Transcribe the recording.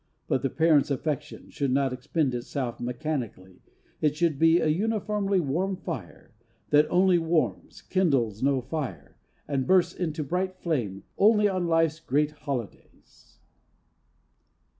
But the parents' affection should not expend itself mechanically. It should be a uniformly warm fire that only warms, kindles no fire, and bursts into a bright flame only on life's great holidays.